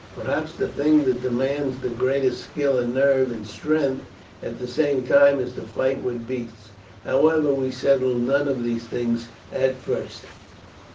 Perhaps the thing that demands the greatest skill and nerve and strength at the same time is to fight wild beasts. However, we settle none of these things at first.